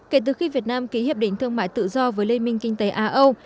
kể từ khi việt nam ký hiệp đỉnh thương mại tự do với liên minh kinh tế a âu